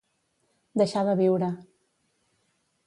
Deixar de viure.